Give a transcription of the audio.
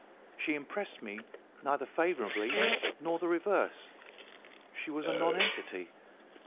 She impressed me neither favourably nor the reverse. She was a nonentity.